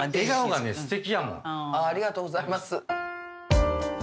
ありがとうございます。